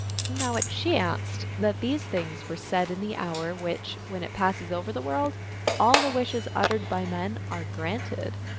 Now it chanced that these things were said in the hour which, when it passes over the world, all the wishes uttered by men are granted.